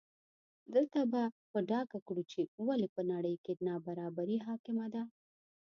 دلته به په ډاګه کړو چې ولې په نړۍ کې نابرابري حاکمه ده.